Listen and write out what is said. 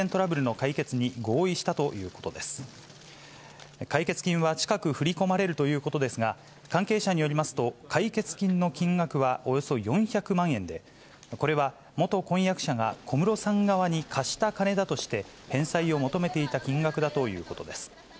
解決金は近く振り込まれるということですが、関係者によりますと、解決金の金額はおよそ４００万円で、これは元婚約者が小室さん側に貸した金だとして、返済を求めていた金額だということです。